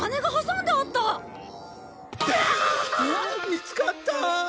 見つかった！